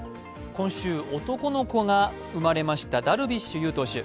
今週、男の子が生まれましたダルビッシュ有投手。